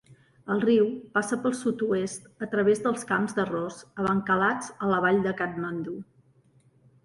El riu passa pel sud-oest a través de camps d'arròs abancalats a la vall de Katmandú.